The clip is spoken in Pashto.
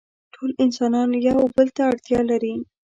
ټول انسانان يو بل ته اړتيا لري.